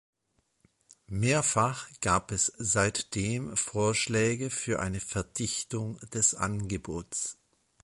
Mehrfach gab es seitdem Vorschläge für eine Verdichtung des Angebots.